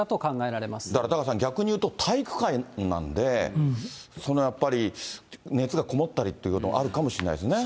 らだからタカさん、逆にいうと体育館なんで、やっぱり熱がこもったりっていったことがあるかもしれないですね。